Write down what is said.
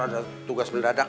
ada tugas mendadak